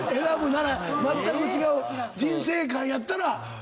まったく違う人生観やったら。